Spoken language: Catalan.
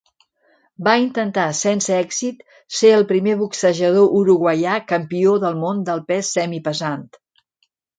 Va intentar, sense èxit, ser el primer boxejador uruguaià campió del món del pes semipesant.